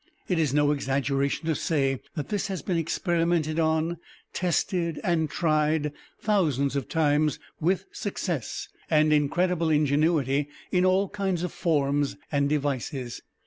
It is no exaggeration to say that this has been experimented on, tested and tried thousands of times with success and incredible ingenuity in all kinds of forms and devices.